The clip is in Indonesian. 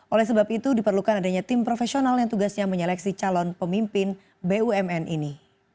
oleh sebab itu diperlukan adanya tim profesional yang tugasnya menyeleksi calon pemimpin bumn ini